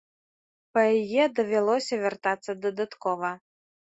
Па яе давялося вяртацца дадаткова.